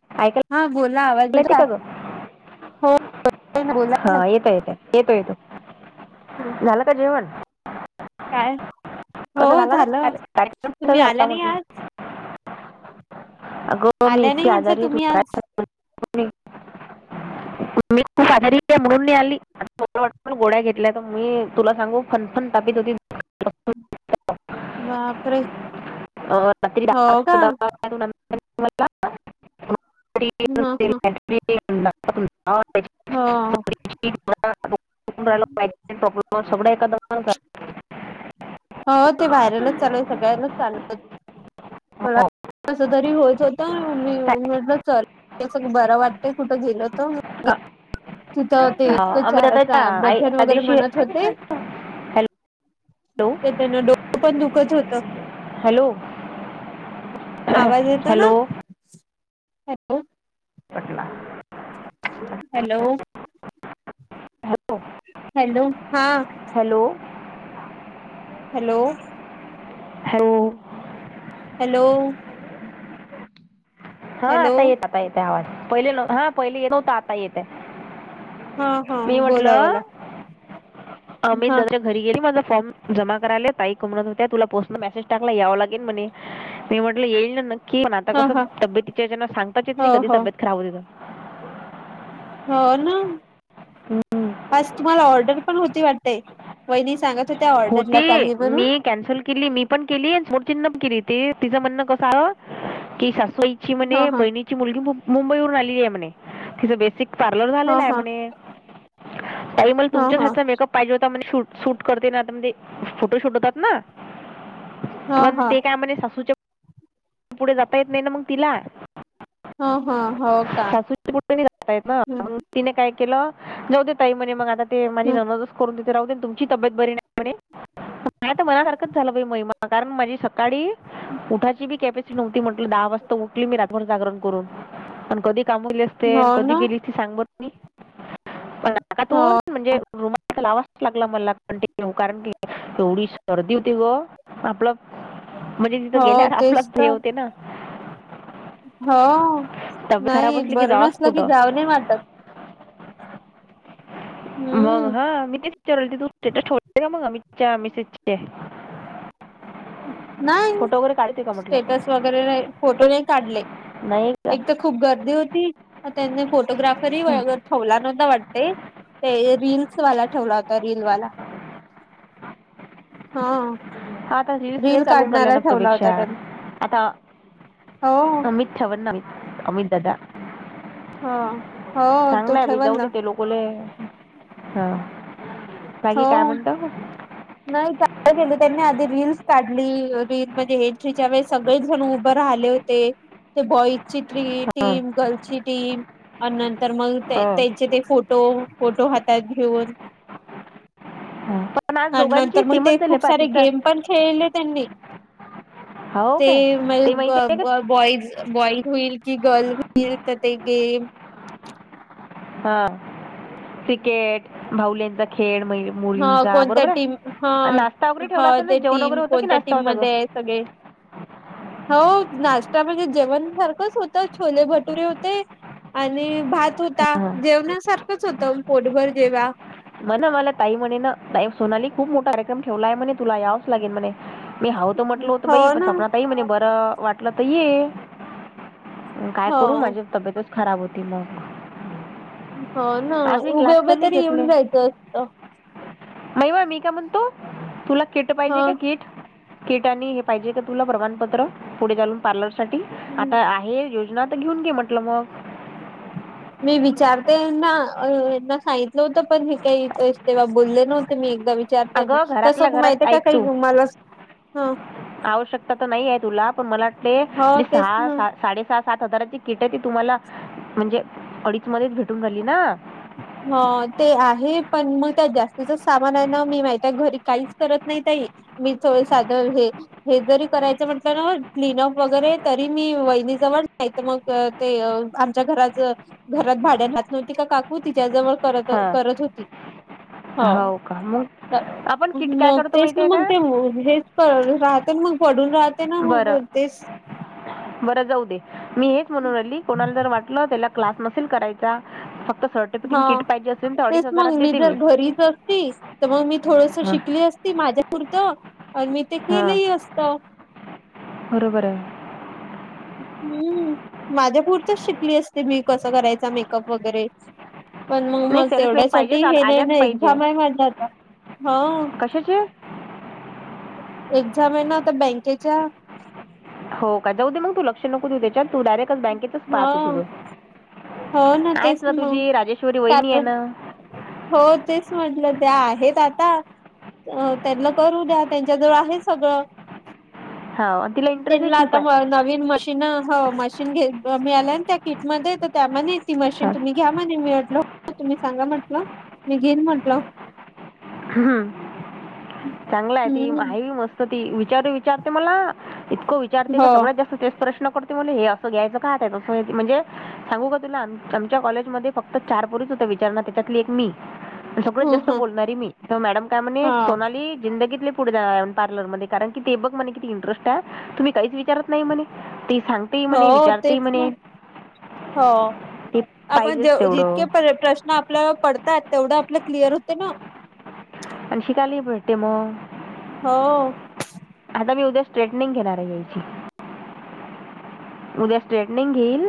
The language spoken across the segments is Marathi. ऐकायला हा बोला आवाज येते येतो का ग हो बोला हा येत येत येतो येतो ना. झालं का जेवण काय हो कस झाला ना झालं कार्यक्रम क तुम्ही आल्या झाला नाही म्हटग आज हो मी आल्या इतकी नाही म्हटलं आजारी आहे तू तुम्ही आज काय ी खू आारी म्हणून मी आली गोड्या घेतल्याय तर मी तुला सांगू फनफन तापीत होती बापरे [inaudible] हो का [inaudible] ह ह [inaudible] हा ॉ् सगळं एखाद [inaudible] हो ते व्हायरलच चालू झालं. हो [unintelligible] कस तरी होत होतं मी म्हटलं चल अस बरं वाटतंय कुठं गेल तर हा [unintelligible] तिथं हो ते इतकं चार आई भजन त्या वगैरे दिवशी म्हणत होते हॅलो तर त्यांना डोकं पण दुखत होतं हॅलो आवाज येतो ना hello hello [unintelligible] Patna hello hello hello हा हॅलो हॅलो हॅलो हॅलो हा हॅलो आता येत आता येते आवाज पहिले हा पहिले येत हो्हता आता येते हा हा बोला बोला आम हा घरी गेली माझा फॉर्म जमा करायले ताईक म्हणत होत्या तुला पोच मेसेज टाकला यावं लागेल म्हणे मी म्हटलं येईल ना नक्की पण आता हा कसं हा तब्येतच्याच्याना सांगताच येत हो नाही कधी हो तब्येत खराब होते हो ना तर आज तुम्हाला ऑर्डर पण होती वाटते वहिणी सांगात हो त्या ऑर्डरला होती चालली म्हणून मी कॅन्सल केली मी पण केली सोडचिन्हण केली ते तिं म्हणण कस की सासूई ची ह म्हणे ह बहिणीची मुलगी मुंबई वून आलेली आहे म्हणे तिच बेसिक पार्लर ह झालेला आहे म्हणे ताई मल ह ह तुमच्याच ह हातचा मेकअप पाहिजे होता म्हणे शूट करते ना फोटो शटत ह पण ते काय म्ह सू पुढे जाता येत नाही ना मग तिला ह ह ह हो का सासू कुठ जातयेत ना हम्म तिने काय केलं ने्ह दे ताई म्हणे मग आता ते माझी हम्म नमदच करून देत राह तुमची तब्येत बरी नाहीणे नाही मणासारखच झालं महिमा कारण माझी सकाळी उठाचीी कप नव्हती म्हट दहा वाजता उठली मी रातभर जागरण करून पण कधी कामली असते हो कधी ना गेली त सांग म हो पातून म्हणजे रुमा लावा लागला मला पण ते कारण की एवढी सर्दी होती ग आपलं म्हणजे तिथं हो गेल्यार आपलाच तेच ध्येय तर होते ना हो तब्येत खराब नाही असली की बरं जावंच नसलं की कुठं जाव नाही वाटत मग हम्म हा मी ते चरलते तू तर छोट का मगा मिच्या मी सचे. नाही फोटो वगैरे काढते का म्हटलं. स्टेटस वगैरे नाही फोटो नाही काढले. नाही का एक तर खूप गर्दी होती त्यांनी फोटोग्राफरी वगैरे ठेवला नव्हता वाटते. ते रीलस वाला ठेवला होता रीलवाला हम्. हा. हा आता रिसला रील चालवून राल्या काढणारा ठेवला नतोपेक्षा होता त्यांनी आता हो चछवण अमित ददा हा, हो. तो ठेवल ना. [unintelligible] ले हा. बाकी हो काय म्हणता मग? नाही. काय केलं त्यांनी आधी रीलस काढली. रील म्हणजे एंट्रीच्या वेळी सगळेजण उभं राहिले हो. ते. ते बॉई री हा. टीम, गर्लची टीम, अन नंतर मग त्या हा. त्यांचे फो तो फोटो हातात घेऊन हा. पण आज आणि दोघांची नंतर मग ते सेमच झाले खूप पा सारे तिचा गेम पण खेळले त्यांनी हो ते काय म ते माहिती आहे का बॉईज बॉई होईल की गर्ल होईल तर ते गेम हा क्रिकेट भाऊल्यांचा खेळ म्ह ह कोणत्या टीम ह वगैरे ह ठेवला असेल ना ते जेवण टीम वगैरे होतं की कोणत्या नाश्ता टीम होता मध्ये आहे गं सगळे. हो नाश्तामध्येणे जेवण सारखंच होतं छोले भटुरे होते. आणि भात होता जेवण्यासारखंच होतं पोटभर जेव. मणा मला ताई म्हणे नाई सोनाली खूप मोठा कार्यक्रम ठेवलाय म्हणे तुला यावच लागेल म्हणे. मी हव तर म्हटल होत हो बाई पण ना स्वपनातही म्हणे बरं वाटलं त ये काय हो करू माझी तब्येतच खराब होती मग हो ना आज मी क्लास उभे तर उभे नाही तरी येऊन जायचं असतं. नाहीय बा मी का म्हणतो तुला किट पाहिजे का हा किट कीट आणि हे पाहिजे का तुला? प्रमाणपत्र. पुढे चालून पार्लरसाठी. आता आहे योज ना आता घेऊन घे म्हटलं मग. मी विचारते यांना. यांना सांगितलं होतं, पण हे काही तेव्हा बोलले नव्ह मी एकदा विचारते यांना. अगं तसं घरातल्या त माहित घरात आहे ऐक काही तू गुमाला [inaudible] आवश्यकता तर नाहीय तुला. पण मला वाटतय, हो जे तेच सहा, ना साडे - सात सात हजाराची किटय ती तुम्हाला, म्हणजे अडीच मध्येच भेटून [unintelligible] ना? ह, ते आहे पण मग, त्या जास्तीच सामान आहे ना मी माहित्याय, घरी काहीच करत नाही ताई. मी च [unintelligible] हे. हे जरी करायचं म्हटलं ना, क्लीन अप वगैरे तरी मी वहिनीजवळ नाही तर मग ते आमच्या घराच, घरात भाड्यानात नव्हती का काकू, तिच्या जवळ करतं हां करत होती. हो. का मग आपण किट काय मग करतो तेच माहिती न आहे मग, का ते हेच [unintelligible] राहते न मग, पडून राहते न, बरं मग तेच. बरं जाऊ दे. मी हेच म्हणून राहिली, कोणाला जर वाटलं त्याला क्लास नसेल कराय चा. फक्त सर्टिफिकिन हा किट पाहिजे अस. तेच मग मी जर घरीच असती, तर मग मी थोडसं हां शिकली असती. माझ्या पुरतं. अन मी ते केलंही असत. [unintelligible] बरोबराय. हम्म. माझ्या पुुरतच शिकली असते मी. कसं करायचा मेकअप वगैरे पण मग, नाही मला सेल्फ मेड तेवढ्यासाठी पाहिजेच हे नाय ना, एक्झामय माझी आता. हा [unintelligible] कशाची? एक्झामय न आता बँकेच्या हो का. जाऊ दे मग तू लक्ष नको देऊ त्याच्यात. तू डायरेक्ट बँकेत पाहा हा तू तुझं. हो आहेस तेच ना मग तुझी, राजेश्वरी वहिनी आहे ना. हो, तेच म्हटलं. त्या आहेत आता अ त्यांना करू द्या. त्यांच्याजवळ आहे सगळं. हो आणि तिला इंटरेस्टही त्यानला खूप आता म आहे नवीन मशी न हो. मशीन घ मिळाल्या त्या किटमध्ये. तर त्या म्हणे ती मशीन हा. तुम्ही घ्या म्हणे मी म्हटलं तुम्ही सांगा म्हटलं मी घेईन म्हटलं. हम्. चांगलाय ती हम्म आहे मस्त ती विचारू विचारते मला. इतकं विचारते हो का, सगळ्यात जास्त तेच प्रश्न करत ते म्हणे हे असं घ्यायचं का? त्या तसं म्हणजे सांगू का तुला. आमच्या कॉलेजमध्ये फक्त चार पोरीच होत्या विचारणा, त्याच्यातली एक मी. सगळत ह जास्त ह बोलणारी मी. त मॅडम काय म्हणे, हा सोनाली जिंदगीत लय पुढे जा पार्लरमध्ये. कारण की, ते बघ मणे किती इंटरेस्टय तुम्ही काहीच विचारत नाही म्हणे ते सांग हो तेच ना हो ते आपण पाहिजेच जितके तेवढं प्रश् ना आपल्या पडतात, तेवढं आपल्या क्लिअर होते ना. अन् शिकालाही भटते मग. हो. आता मी उद्या स्ट्रेटनिंग घेणारय यायची. उद्या स्ट्रेटनिंग घेईल.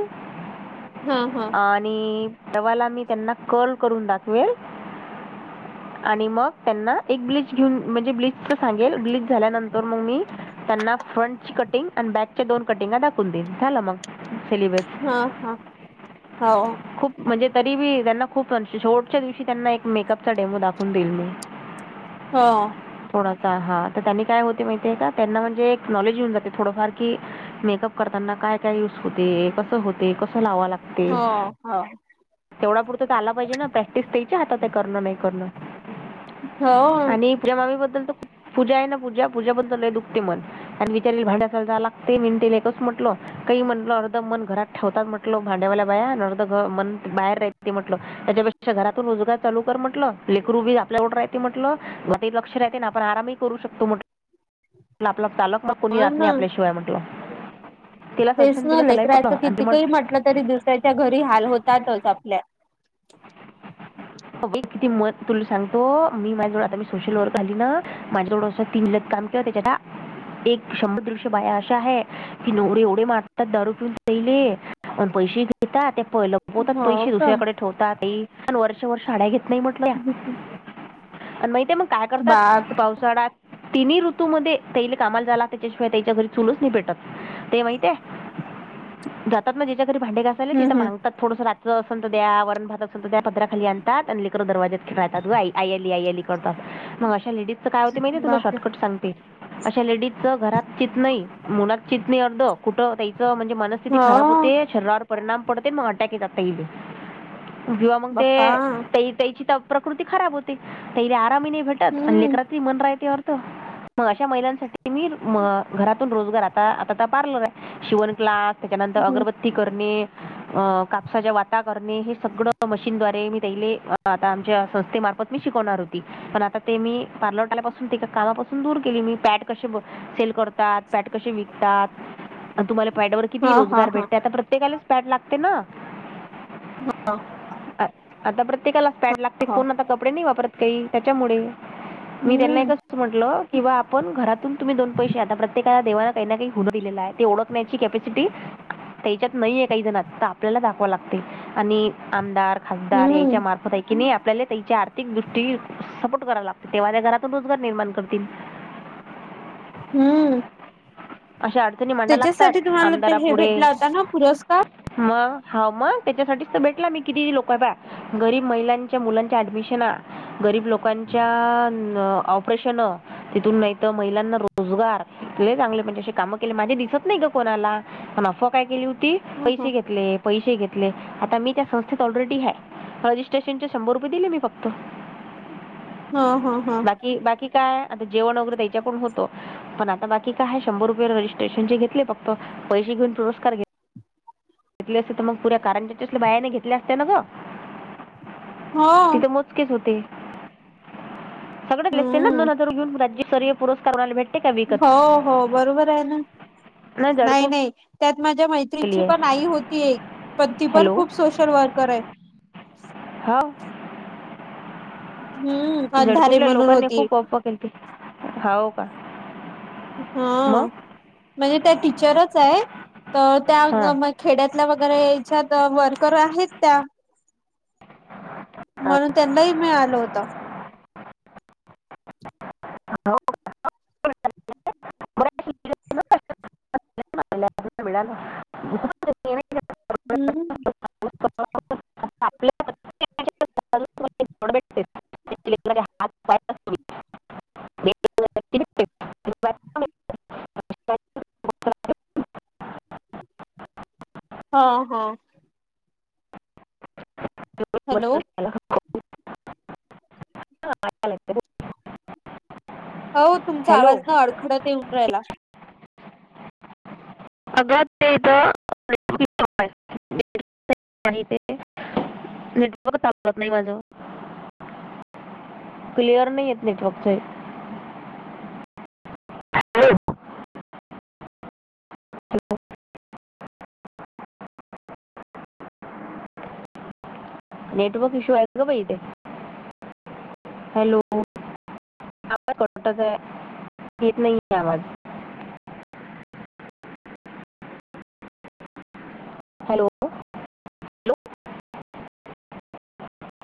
हा, हा. आणि तवाला मी त्यांना कल करून दाखवेल. आणि मग त्यांना एक ब्लीच घेऊन म्हणजे, ब्लीचच सांगेल. ब्लीच झाल्यानंतर मग मी त्यांना फ्रंटची कटिंग आणि बॅकच्या दोन कटिंगा दाखवून देईल. झालं मग, सिलेबस. हा हा हो खूप म्हणजे तरी बी त्यांना खूप. शेवटच्या दिवशी त्यांना एक मेकअप चा डेमो दाखवून देईल मी हा थोडासा हा तर त्यांनी काय होते माहितीये का त्यांना म्हणजे एक नॉलेज घऊन जाते थोडंफार कि मेकअप करताना काय काय यूज होते कसं होते कसं लाव लागते. हो तेवढा पुरतं ते आला पाहिजे ना प्रॅक्टिस त्याच्या हातात करणं नाही करणं हो आणि पण मामी बद्दल तर पूजा आहे ना पूजा पूज्या बद्दल आहे दुखते मन आणि विचारल भांड्यासा जाला ला ते मिंट एकच म्हटल काही म्हटल अर्ध मन घरात ठेवतात म्हटल भांड्यावाल्या बाया अर्ध मन बाहेर राह ते म्हटलं. त्याच्यापेक्षा घरातून रोजगार चालू कर म्हटलं लेकरू बी आपल्यावर राहते म्हटलं गात लक्ष राहते ना आपण आराम करू शकत आपला चालक मग कोणी हो रात नाही ना आपल्याशिवाय म्हटलं तिला तेच सजेशन न दिलं त्यालाही पटलं लेकराचं आणि ते किती काही म्हटलं तरी दुसऱ्याच्या घरी हाल होतातच आपल्या किती मत तुला सांगतो मी माझ्याजवळ आता मी सोशल वर्क आली ना माझ्याजवळं असं तीन जग काम ज्योतेजदा [unintelligible] एक शंभर दीडशे बाया अशा आहे की नवरे एवढे मारतात दारू पिऊन राहिले. पण पैसे घेतात ते प लपवतात हो पैसे का? दुसऱ्याकडे ठेवतात ते पण वरचे वर साडया घेतात. नाही म्हटलं माहिेत मग काय करतात बाप पास सड तिनही ऋतूमध्येध्ये तैला कामाल जायला लागत त्याच्याशिवाय त्याच्या घरी चूलच नाही पेटत. ते माहितय जात ना ज्याच्या घरी भांडे घासायला तिथ हम्म हम्म. मांगतात थोडसं रात असेल तर द्या व भ अस त्या पदरा खाली आणतात आणि लेकरं दरवाजेत खेळात ग आई आली, आई आली. करतात मग अशा लेडीज च काय होते माहितये तुला बापरे. शॉर्टकट सांगते. अशा लेडीजच घरात चित नाही मुला चितणी अर् कुठं त्याच म्हणजे मनस्थिती खराब हो होते शरी परिणाम पडते मार ट्याक काातताईे किंवा मग ते बाप्पा त त्याची तर प्रकृती खराब होती त ते आरामी नाही भेटत हम्म अलेकरात मन राहतेवर त मग अशा महिलांसाठी मी घरातून रोजगार आता आता पार्लर आहे शिवण कलास त्याच्यानंतर हम्म. अगरबत्ती करणे अ कापसाच्या वाता करणे हे सगळं मशीनद््वारे मी तेले आता आमच्या संस्थेमार्फत मी शिकवणार होती पण आता ते मी पार्लर आल्यापासून ते कामापासून दूर केली मी पॅड कसे सेल करतात पॅट कशी विकतात तुम्हाला पॅड ववर किती हा हा रोजगार हा भेटते आता प्रत्येकालाच पॅड लागते ना हो आता प्रत्येकाला पॅड लागते हा कोण आता कपडे नाही वापरत काही त्याच्यामुळे मी त्यांना एक हम्म का म्हटलं किंवा आपण घरातून तुम्ही दोनैसे आता प्रत्येकाला देवाना काही ना काही हो दिले आहे तेओत कपसिटी त्याच्यात नाहीे काही जण तर आपल्याला दाखवा लागते आणि आमदार खासदार याच्या हम्म मार्फत कि नाही आपल्याला त्याची आर्थिक दृष्टी सपोर्ट करावला लागते तेव्हा त्या घरातून रोजगार निर्माण करतील [inaudible] हम्म. अशा अडचणी मांडा लागतात त्याच्यासाठी तुम्हाला ते अंधारा हे पुुढे भेटला होता ना पुरस्कार? मग हा म त्याच्यासाठीच भेट मी किती लोकय बा गरीब महिलांच्या मुलांच्या ऍडमिशन गरीब लोकांच्या ऑपरेशन. तिथून नाहीत महिलांना रोजगार चांगले म्हणजे असे कामं केले माझे दिसत नाही ग कोणाला. पण अफवा काय केली होती ह ह पैसे घेतले पैसे घेतले आता मी त्या संस्थेत ऑलरेडी आहेत. रजिस्ट्रेशन चे शंभर रुपये दिले मी फक्त. हा हा हा. कि बाकी काय आता जेवण वगैरे त्याच्या कडून होत. पण आता बाकी काय शंभर रुपये रजिस्ट्रेशनचे घेतले फक्त पैसे घेन पुरस्कार घेत घेतले असते त म पुऱ्या कारंज्यातल्या बायाने घेतल्या असत ना ग हो म तिथे तेच होते सगळ्यानले हम्म. दोन हजार घेऊन राज्यस्तरीय पुस्कारला भेट हो हो बरोबर आहे ना नाही, नाही, त्यात माझ्या मैत्री केली तिची पण आहे आई होती पण ती पण खूप सोशल वर्कर आहे. हाव. हम्म अंधारे म्हणून होती. हाव का.. हा मग म्हणजे त्या टीचरच आहे तर हां त्या खेड्यातल्या वगैरे याच्यात वर्कर आहेत त्या. म्हणून त्यांनाही मिळालं होत. हॅलो [inaudible] विळाला [unintelligible] [inaudible] हम्म [unintelligible] होत [unintelligible] आपले [unintelligible] नड ब [unintelligible] [unintelligible] हात ह [unintelligible] आणि बायका मिळतात. हा हा. सर्व बदल हॅलो. झाला. हा, आला ते. हो तुमचा हॅलो आवाज न अडखडत येऊन राहिला. अग तेग [unintelligible] ते नेटवर्क सापडत नाही माझ. क्लिअर नाही येत नेटवर्कचा. हॅो [unintelligible] नेटवर्क इश्यू आहेत ग बाई इथे हॅलो. [unintelligible] Hello hello